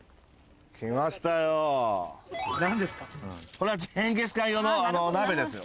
これはジンギスカン用の鍋ですよ。